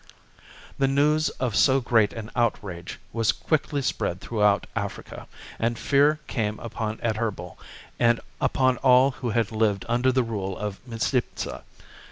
The news of so great an outrage was quickly spread chap. throughout Africa, and fear came upon Adherbal and upon all who had lived under the rule of Micipsa.